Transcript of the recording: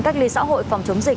cách ly xã hội phòng chống dịch